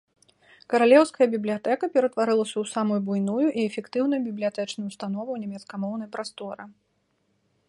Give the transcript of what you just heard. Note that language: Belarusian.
Каралеўская бібліятэка ператварылася ў самую буйную і эфектыўную бібліятэчную ўстанову ў нямецкамоўнай прасторы.